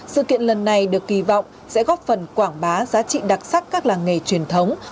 sự kiện lần này được kỳ vọng sẽ góp phần quảng bá giá trị đặc sắc các làng nghề truyền thống